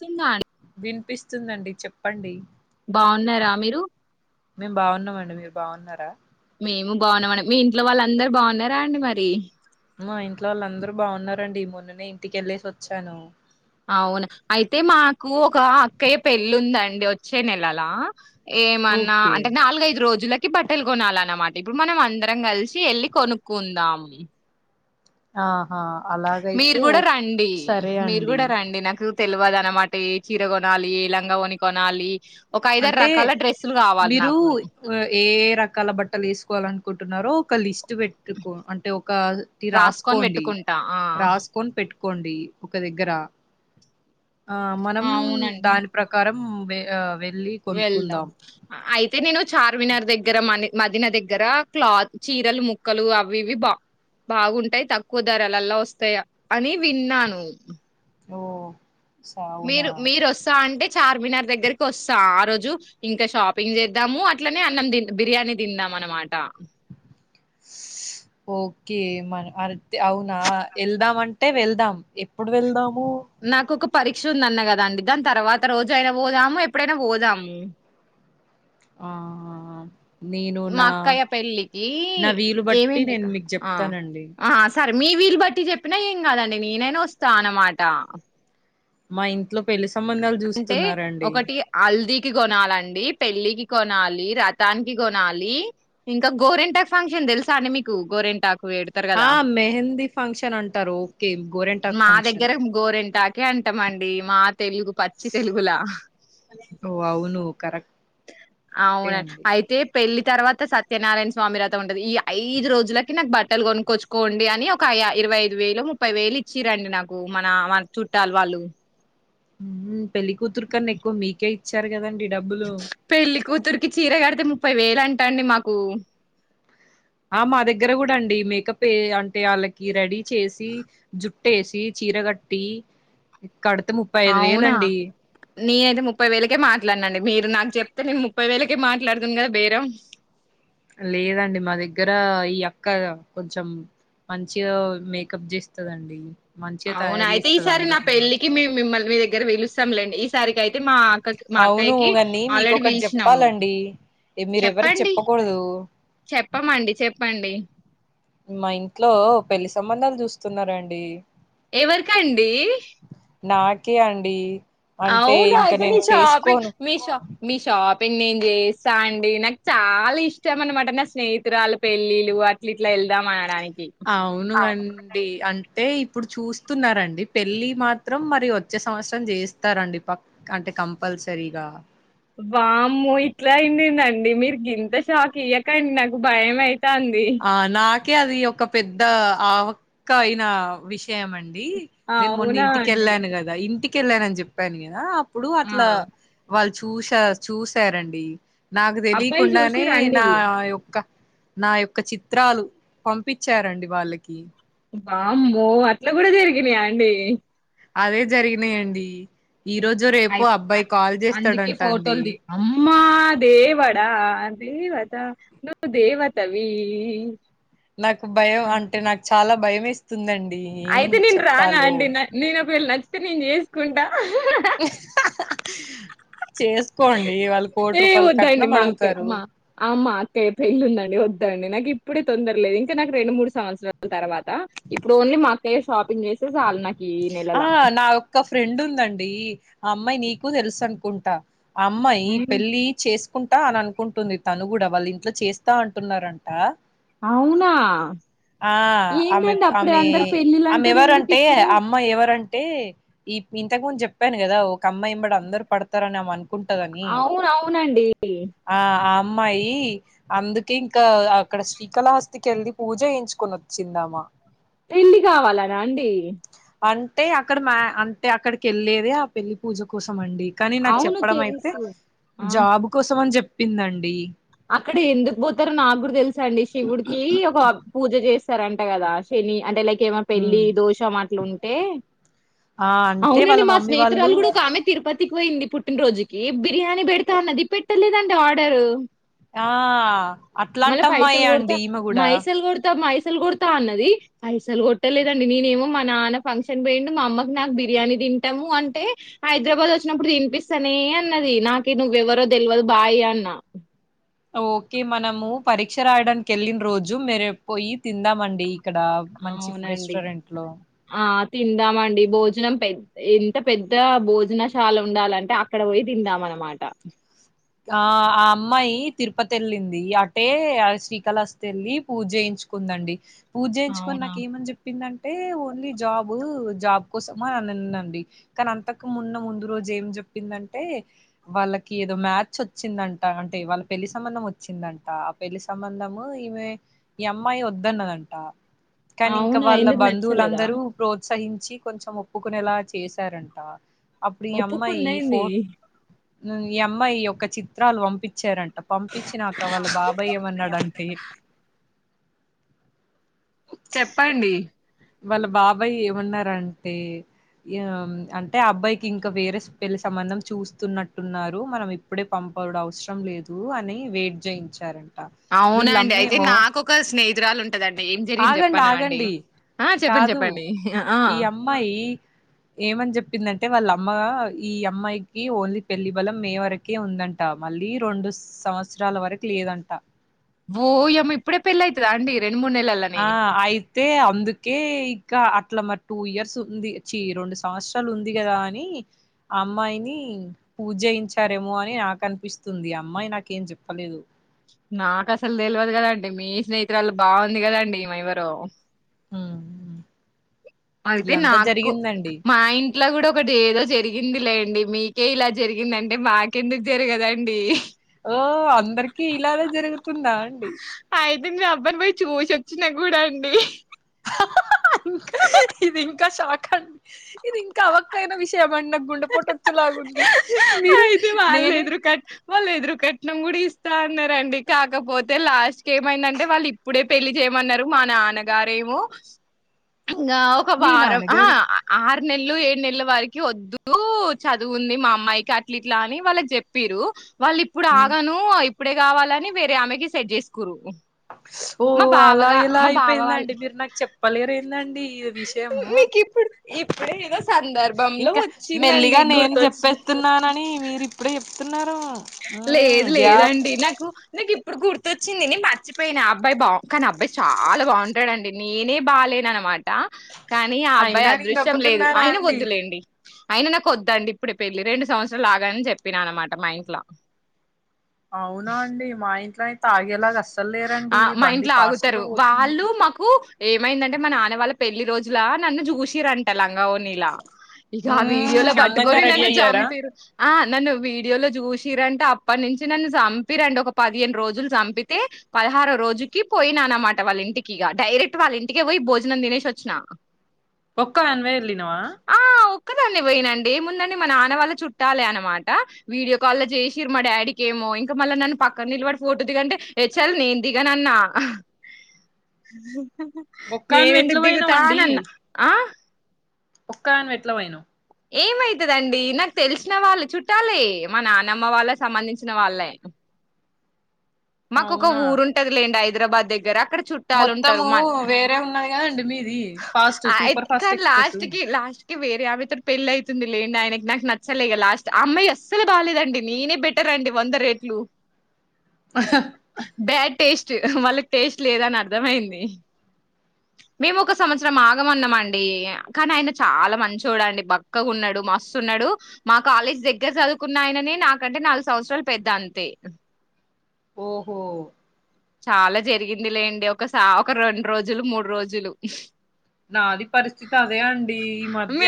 స్తుందా అండి వినిపిస్తుందండి చెప్ప పండి బాగున్నారా మీరు మేము బాగున్నామ అండి మీరు బాగున్నారా మేము బాగున్నామ మీ ఇంట్లో వాళ్ళ అందరు బాగున్నారా అండి మరి మా ఇంట్లో వాళ్ళ అందరూ బావున్నారండి మొన్ననే ఇంటికి యెళ్ళేసి వచ్చాను అవును అయితే మాకు ఒక అక్కయ్య పెళ్ళి ఉందండి వచ్చే నెలలా ఏమన్నా ఓకే అంటే నాలుగైదు రోజుల బట్టలు కొనాలిన్నమాట ఇప్పుడు మనం అందరం కలిసి వెళ్ళి కొనుక్కుందామ్. ఆ మీరు కూడా రండి సరే మీరు అండి కూడా రండి నాకు తెలివదు అన్నమాట ఏ చీర కొనాలి ఏ లంగా కొని కొనాలి ఒక ఐదారు అంటే రకాల డ్రెస్సులు కావాలి మీరు నాకు ఏ రకాల బట్టలు వేసుకోవాల అనుకుంటున్నారో ఒకలిస్ట్ ద్దు పెట్టుకో అంటే ఒకటి రాసుకొని రాసుకోండి పెట్టుకుంటా ఆ రాసుకొని పెట్టు కొండి ఒక దగ్గర ఆ మనమ్ అవునండి దాని ప్రకారం మ్ బేగా వెళ్దాం అయితే నేను చార్మినార్ దగ్గర మ మదిన దగ్గర క్లాత్ చీరలు ముక్కలు అవి ఇవి బా బాగుంటాయి తక్కువ ధరలులా వస్తాయా అని విన్నాను ఓ మీరు సవునా మీరు వస్తా అంటే చార్మినార్ దగ్గరికి వస్తా ఆ రోజు ఇంకా షాపింగ్ చేద్దాము అట్లనే అన్నం బిర్యానీ తిందాం అనమాట ఓకే మ అర్ది అవునా వెళ్దాం అంటే వెళ్దాం ఎప్పుడు వెళ్దామ్. నాకు ఒక పరి పరీక్ష ఉంది అన్న కదా అండి దాని తర్వాత రోజు అయినా పోదాము ఎప్పుడైనా పోదాము ఆ నేను మా నా అక్కయ్య పెళ్ళికీ నా వీలు బట్టి ఏమైందిక నేను మీకు ఆ చెప్తానండి ఆ సర్ మీ వీళ్ళ బట్టి చెప్పినా ఏం కాదండి నేనైనా వస్తా అన్నమాట మా ఇంట్లో పెళ్లి సంబంధాలు అంటే చూస్తున్నారండి ఒకటి హల్ది కి కొనాలిండి పెళ్లికి కొనాలి రథానికి కొనాలి ఇంకా గోరింటాకు ఫంక్షన్ తెలుసా అండి మీకు గోరింటాకు పెడతారు కదా ఆ మెహందీ ఫంక్షన్ అంటారు ఓకే గోరెంటాక్ ఫంక్షన్ [unintelligible] మండి మా తెలుగు చిి తెలుగులా కరెక్ట్ అవునా అయితే పెళ్లి తర్వాత సత్యనారాయణ స్వామి వథం ఉంటది ఈ ఐదు రోజులకి నాకు బట్టలు కొనుక్కొచ్చుకోండి అని ఒక ఇరవై ఐదు వేలు ముప్పై వేలు ఇచ్చిరండి నాకు మన మన చుట్టాలు వాళ్ళు హ్మ్. పెళ్లి కూతురు కన్న ఎక్కువ మీకే చర్గ కదండి డబ్బులు పెళ్లి కుతురుకి చీర కడతే ము ముప్పై వేలు అంటా అండి మాకు ఆ మా దగ్గర కూడా అండి మేకప్ అంటే వాళ్ళకి రెడీ చేసి జుట్టేసి చీర కట్టి కడుత ముప్పై ఐదు వేల అవునా అండి నేనైతే ముప్పై వేలకే మాట్లాడినండి మీరు నాకు చెప్తే నేను ముప్పై వేలకే మాట్లాడుతును కదా బేరం లేదండి మా దగ్గర ఈ అక్క కొంచెం మంచిగా మేకప్ చేస్తుందండి అవునా అయితే ఈసారి నా పెళ్ళికి మేం మిమ్మల్ని మీ దగ్గర వెలుస్తాండి ఈసారికి అయితే [unintelligible] మా అక్క మా అవును అక్కయికి కాని ఆల్రెడీ మీకొకటి పీల్చినాము చెప్పాలండి ఏ మీరెవరికి చెప్పండి చెప్పకూడదు చెప్పమండి చెప్పండి మా ఇంట్లో పెళ్లి సంబంధాలు చూస్తున్నారండి ఎవరక అండి నాకే అండి అంటే అవునా ఇంకా నేను ఇతనిషాపి చేసుకోను మీషా మీషాప్ ేం చేస్తా అండి నాకు చాలా ఇష్టం అనమాట నా స్నేహితురాలు పెళ్ళిళ్లు అట్లా ఇట్లా వెళ్దాం అనడానికి అవునా అవునుగాండి అంట అయితే ఇప్పుడు చూస్తున్నారండి పెళ్ళి మాత్రం మరి వచ్చే సంవత్సరం చేస్తారండి పక్క అంటే కంపల్సరీగా వామ్మో ఇట్లా అయిందిందండి మీరు గింత షాక్ ఇయకండి నాకు భయం అయి చాంది కే అది ఒక పెద్ద ఆవక్క అయిన విషయం అండి నేను మొన్న అవునా అండి ఇంటికెళ్ళాను కదా ఇంటికి కేళ్ళానని చెప్పాను కదా ఇప్పుడు ఆ అట్లా వాళ్ళ చూశా చూసారండి నాకు అబ్బాయిలు తెలియకుండానే చూసిర్రా నా అండి యొక్క నా యేప్ ఒక చిత్రాలు పంపించరండి వాళ్ళకి వామ్మో అట్లా కూడా జరిగినాయా అండి అదే జరిగినాయండి ఈ హ్మ్. రోజు రేపు అయి అబ్బాయి కాల్ చేస్తాడంటా అండి మా దేవడా దేవత నువ్వు దేవతవీ నాకు భయం అంటే నాకు చాలా భయం వేస్తుందండ్ అయితే నేను రానా అండి, నా నేను ఒకవేళ న తే నేను చేసుకుంటా హ హ్ ఇహ్ హా హా ఏ వద్దండి కట్నం మా అక్కయ్ అడుగుతారు మా మా అక్కయ్య పెళ్లుందండి వద్ నండీ నాకు ఇప్పుడే తొందర లేదు ఇంకా నాకు రెండు మూడు సంవత్సరాల తర్వాత ఇప్పుడు ఓన్లీ మా అక్కయ్య షాపింగ్ చేసే ఆ నా ఒక్క ఫ్రెండ్ ఉందండి ఆ అమ్మాయి నీకు తెలుసు అనుకుంటా ఆ అమ్మాయి హ్మ్. పెళ్ళి చేసు కుంటా అని అనుకుంటుంది తను కూడా వాళ్ళు ఇంట్లో చేస్తా అంటున్నారంట. అవునా ఆ ఆమె ఏందండి అప్పుడే ఆమె అందరు ఆమె పెళ్ళిళంటురు ఎందుకు ఎవరంటే ఇప్పుడే ఆ అమ్మాయి ఎవరంటే ఈ ఇంతకు ముందు చెప్పాను కదా ఒక అమ్మాయి ఎంబడ అందరు పడతారనిమ అను అవున అవునండి ఆ ఆ అమ్మాయి అందుకే ఇంకా అక్కడ శ్రీకాళహస్తికి వెల్లి పూజ చేయించుకొని వచ్చింది ఆమే పెళ్లి కావాలనా అండి అంటే అక్కడ మా అంటే అక్కడికి వెళ్ళేదే ఆ పెళ్లి పూజ కోసం అండి కానీ నాకు అవును చెప్పడం అయితే తెలుసు ఆ జాబ్ కోసం అని చె చెప్పిందండి అక్కడ ఎందుకు పోతారో నా కూడా తెలుసండి శివుడికి ఒక పూజ చేస్ సర్ అంటే కదా శని అంటే లైక్ ప్రేమ పెళ్ళి హ్మ్. దోషం అట్లుంటే ఆ అంటే వాళ్ళ మమ్మీ వాళ్ళు తికిపోయింది పుట్టినరోజుకి బిర్యానీ పెడతా అన్నది పెట్టలేదండి ఆర్డరు ఆ మళ్ళా అట్లాంటమ్మాయె అండి ఈమె గూడా పైసల్ కొడతా అన్నది పైసల్ కొట్ట లేదండి నేనేమో మా నాన్న ఫంక్షన్ పోయిండు మా అమ్మకి నాకు బిర్యానీ తింటాము అంటే హైదరాబాద్ వచ్చినప్పుడు తినిపిస్తానే అన్నది నాకె నువెవరో తెలియదు బాయ్ అన్నా. ఓకే మనము పరీక్ష రాయడానికెళ్ళిన రోజు మెరె పోయి తిందామండి. ఇక్కడ మంచి అవునండి. రెస్టారెంట్ లో ఆ! తిందామండి భోజనం పె ఎంత పెద్ద భోజనశాల ఉండాలంటే అక్కడ పోయి తిందాం అనమాట ఆ ఆ అమ్మాయి తిరుపతేళ్ళింది అటే శ్రీకాళస్తి ఎళ్లి పూజ్జేయించుకుందండి. పూజ్జేయించుకొని అవునా? నాకేమని చెప్పిందంట్ అంటే ఓన్లీ జాబు జాబ్ కోసం అని అనిందండి కనంతకుమున్న ముందు రోజు ఏం చెప్పిందంటే వాళ్ళకి ఏదో మ్యా చోచ్చిందంట అంటే వాళ్ళ పెళ్లిి సంబంధం వచ్చిందంట ఆ పెళ్లిి సంబంధము ఈమె ఈ అమ్మాయి వద్దన్నదంట కనీ ఇంక అవునా? వాళ్ళ ఎందుకు నచ్చలేదా? బంధువులందరూ ప్రోత్సహిం వచ్చి కొంచెం ఒప్పుకునేలా చేసారంట ఒప్పుకుందా ఎంది ను ఈ అమ్మాయి ఒ ఒక చిత్రాలు వంపిచ్చారంట్ పంపించినాక వాళ్ళ బాబాయ్ ఏమన్నాడంటే చెప్పండి వాళ్ళ బాబాయ్ ఏమన్నారం అంటే యామ్ అంటే అబ్బాయికి ఇంకా వేరే పెళ్లి సంబంధం చూస్తున్నట్టున్నారు మనం ఇప్పుడే పంపడం అవసరం లేదు అని వెయిట్ చేయించారంట. అవునాండి అయితే వీళ్ళమ్మేమో నాకొక స్నేహితురాలు ఉంటదండి ఏం జరిగింది ఆగండి చెప్పనా అండి ఆగండి ఆ చెప్పండి కాదు చెప్పండి ఆ ఈ అమ్మాయి ఏమని చెప్పిందంటే వాళ్ళ అమ్మ ఈ అమ్మాయికి ఓన్లీ పెళ్లి బలం మే వరకే ఉందంట మళ్ళీ రెండు సంవత్సరాల వరకు లేదంట ఓయమ్మ ఇప్పుడే పెళ్లి అయితదాఅండి ఆ అయితే అందుకే ఇంకా అట్లా మరి టూ ఇయర్స్ ఉంది చి రెండు సంవత్సరాలు ఉంది కదా అని ఆ అమ్మాయిని పూజెేయించారేమో అని నాకు అనిపిస్తుంది అమ్మాయి నాకేం చెప్పలేదు నాకు అసలు తెలవదు కదండి మీ స్నేహితురాలు బాగుంది కదండి ఈమె ఎవరో ఉమ్ అయితే నాకు మా ఇంట్లో కూడా ఒకటి ఏదో జరిగిం ఉంది లేండి మీకే ఇలా జరిగిందంటే మాకెందుకు జరగదండి. ఓ అందరికిీ ఇలానే జరుగుతుందా అండి అయితే నేనబ్బాయిని పోయి చూసొచ్చినా గూడా అండి ఇది ఇంకా షాక్ అండి ఇది ఇంకా అవక్కైన విషయం అండి నాక్ గుండె పూటొచ్చేలాగుంది. అయితే వాళ్ళెదురు కట్ వాళ్ళెదురు కట్ కట్నం కూడా ఇస్తా అన్నారండి. కాకపోతే లాస్ట్ కి ఏమైందంటే వాళ్ళు ఇప్పుడే పెళ్ళి చేయమన్నారు. మా నాన్నగారేమో ఇంగ ఒక మీ వారం నాన్నగారు ఆహ నెలలు ఏడు నెలలు వరకి వద్దు చదువుంది. మా అమ్మాయికి ఇల ఇట్లా అని వాళ్ళకి చెప్పిరు వాళ్ళు ఇప్పుడు హ్మ్. ఆగను ఇప్పుడే కావాలని వేరే ఆమెకి సెట్ చేసుకురు. ఓ మా అలా బావగా ఇలా మా బావ వాళ్ళ అయిపోయిందండి. మీరు నాకు చెప్పలేరు ఏందండి ఈ విషయము మీకు ఇప్పుడు ఇప్పుడే ఎదో ఇంకా మెల్లిగా నేను గుర్తొచ్చి చెప్పేస్తున్నానని మీరు ఇప్పుడే చెప్తున్నారు. మ్మ్ లేదు గ్యాప్ లేదండి నాకు నాకు ఇప్పుడు గుర్తొచ్చింది మర్చిపోయినా అబ్బాయి బావు కానీ అబ్బాయి చాలా బాగుంటాడుండి నేనే బాలేను అనమాట. ఆ కానీ ఆ అబ్బాయి అయినా నేను అదృష్టం లేదు ఒప్పుకున్నారా ఆయిన అండి వద్దులేండి. అయినా నా కొద్దండి ఇప్పుడే పెళ్ళి రెండు సంవత్సరాలు ఆగాని చెప్పిన అనమాట మా ఇంట్ల. అవునా అండి మా ఇంట్లో అయితే ఆగేలాగా అస్సలు ఆ లేరండి మా బండి ఇంట్లో ఫాస్ట్ గా ఆగుతారు పోతుంది. వాళ్ళు మాకు ఏమైందంటే మా నాన్న వాళ్ళ పెళ్ళి రోజుల నన్ను చూసిర అంటల. లంగా వోణిలా ఇక ఆ వీడియో లో మ్మ్ అందంగా పట్టుకొని రెడీ నన్ను అయ్యారా చంపిరు ఆ నన్ను వీడియోలో. చూసిరంటే అప్పటి నుంచి నన్ను చంపిరండి. ఒక పదిహేను రోజులు చంపి చెబితే పదహారో రోజుకి పోయినా అన మాట వాళ్ళ ఇంటికి ఇగ డైరెక్ట్ వాళ్ళ ఇంటికే పోయి భోజనం తినేసి వచ్చిన. ఒక్క దానివే వెళ్లినవ ఒక్క దాన్నే పోయినండి మొన్న నే మా నాన్న వాళ్ళ చుట్టాలే అనమాట వీడియో కాల్లో చేసిరు. మా డాడీ కి ఏమో ఇంకా మళ్ళీ నన్ను పక్కన నిలబడి ఫోటో దిగు అంటే ఏ చల్ నేను దిగను అన్న ఒక్కదానివి ఎట్ల నేనెందుకు దిగుతా అని అన్నా ఆ ఒక్క దానివి వెట్లా పోయినవు ఏమైతదండి నాకు తెలిసిన వాళ్లే చుట్టాలే మా నానమ్మ వాళ్ళ సంబంధించిన వాళ్ళే. మాకు ఒక అవునా ఊరుంటది లేండి హైదరాబాద్ దగ్గర అక్కడ చుట్టాలు ఉంటారు. మొత్తము మ వేరే ఉన్నది కదండి మీది ఫాస్ట్ సూపర్ ఫాస్ట్ కానీ ఎక్స్ప్రెస్ లాస్ట్ కి లాస్ట్ కి వేరే ఆమెత పెళ్లయి అయితంది లేండి ఆయనకి నాకు నచ్చలేగా లాస్ట్ ఆ అమ్మాయి అస్సలు బాలేదండి నేనే బెటర్ అండి వంద రేట్లు. బ్యాడ్ టేస్ట్ వాళ్ళకి టేస్ట్ లేదని అర్థమయింది మేము ఒక సంవత్సరం ఆగమన్నామ అండి కానీ ఆయన చాలా మంచోడండి బక్కగా ఉన్నాడు మస్తు ఉన్నాడు మా కాలేజ్ దగ్గర చదువుకున్న ఆయననే నాకంటే నాలుగు సంవత్సరాలు పెద్ద అంతే ఓహో చాలా జరిగింది లేండి ఒకస ఒక రెండు రోజులు మూడు రోజులు ఈ ఈ మధ్య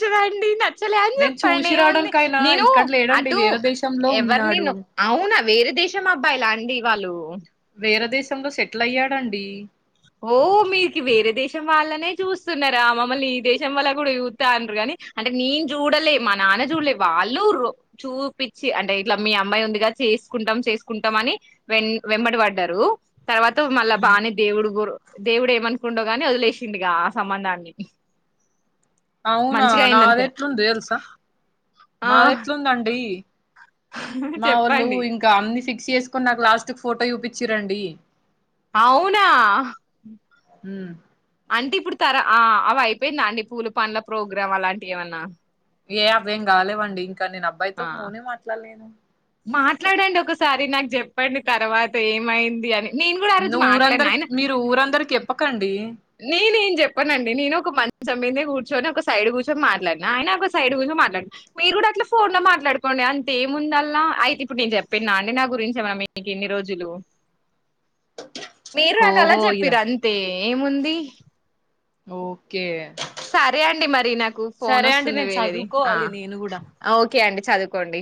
నచ్చదు అండి న నచ్చలే అని నేను చెప్పండి చూసి ఏముంది. రావడానికైనా నేను ఇక్కడ లేడండి అటు వేరే దేశంలో ఉన్నాడు. ఎవర్నినేను అవునా వేరే దేశం అబ్బాయిలా అండి. వాళ్ళు వేరే దేశంలో సెటిల్ అయ్యాడండి ఓ మీకి వేరే దేశం వాళ్ళనే చూస్తున్నారా ఆ మమ్మల్ని ఈీ దేశం వల్ల కూడా చూత్త ఆండ్రూ కానీ నేను చూడలే మా నాన్న చూడలే వాళ్లు చూపిచ్చి అంటే ఇట్ల మీ అమ్మాయి ఉంది కదా చేసుకుంటాం చేసుకుంటాం అని వెంబడ పడ్డారు తర్వాత మళ్ళా హ్మ్. బానే దేవుడు దేవుడు ఏమనుకుండో గాని వదిలేసిండుగా ఆ సంబంధాన్ని అవునా మంచిగా అయింది నాది అనుకున్నా ఎట్లుంది తెలుసా ఆ నాది ఎట్లుందండి మా వొళ్ళు చెప్పండి ఇంకా అన్ని ఫిక్స్ చేసుకు కాని నాకు లాస్ట్ కు ఫోటో చూపిచిరండి అవునా ఉ అంటే ఇప్పుడు తర ఆ అవ అయిపోయిందా అండి పూల పండ్ల ప్రోగ్రాం అలాంటివి ఏమన్నా ఏ ఆవేం కాలేవండి ఇంకా నేను అబ్బాయితో ఆ ఫోనే మాట్లాడలేను సారి నాకు చెప్పండి తర్వాత ఏమైంది అని నేను కూడా ఆ ను రోజు మాట్లాడిన ఆయన ఊరందరికి మీరు ఊరందరికి చెప్పకండి నేనేం చెప్పనండి నేను ఒక మం మంచం మీందనే కూర్చొని ఒక సైడ్ కూర్చొని మాట్లాడినా ఆయన ఒక సైడ్ కూర్చొ మాట్లాడు మీరు కూడా అట్లా ఫోన్ లో మాట్లాడుకోండి అంతేముందల్లా అయితే ఇప్పుడు నేను చెప్పిన్నా అండి నా గురించి ఏమన్న మీకు ఇన్ని రోజులు మీరు నాతో అలా ఓహో! ఇద చెప్పిరి అంతే ఏముంది మ్ ఓకే సరే అండి మరి నాకు ఫోన్ సరే అండి వస్తుంది నేను వేరేది ఆ చదువుకోవాలి నేను గూడా. ఓకే అండి చదువుకోండి